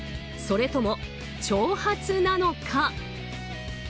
それとも挑発なのか。